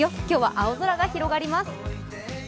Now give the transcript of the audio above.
今日は青空が広がります。